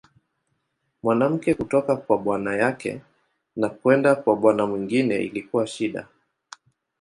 Mwanamke kutoka kwa bwana yake na kwenda kwa bwana mwingine ilikuwa shida.